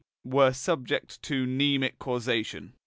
were subject to mnemic causation.